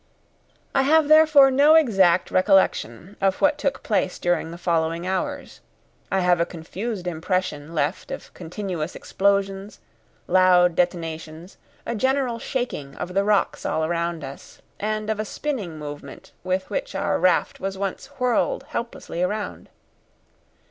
I have therefore no exact recollection of what took place during the following hours. I have a confused impression left of continuous explosions, loud detonations, a general shaking of the rocks all around us, and of a spinning movement with which our raft was once whirled helplessly round.